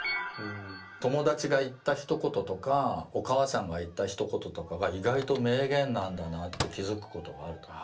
友達が言ったひと言とかお母さんが言ったひと言とかが意外と名言なんだなって気付くことがあると思う。